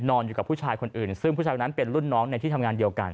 อยู่กับผู้ชายคนอื่นซึ่งผู้ชายคนนั้นเป็นรุ่นน้องในที่ทำงานเดียวกัน